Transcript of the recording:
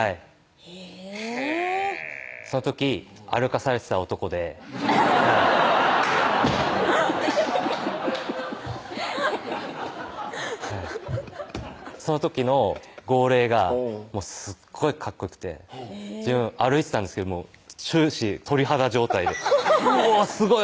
へぇその時歩かされてた男でその時の号令がすっごいかっこよくて自分歩いてたんですけど終始鳥肌状態でうおすごい！